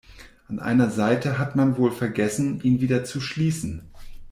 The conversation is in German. An einer Seite hat man wohl vergessen, ihn wieder zu schließen.